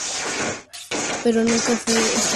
Pero nunca fue estrenada.